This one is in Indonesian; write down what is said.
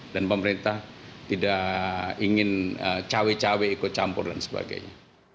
dan pemerintah tidak ingin cawe cawe ikut campur dan sebagainya